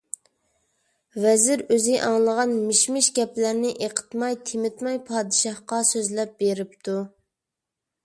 ۋەزىر ئۆزى ئاڭلىغان مىش-مىش گەپلەرنى ئېقىتماي-تېمىتماي پادىشاھقا سۆزلەپ بېرىپتۇ.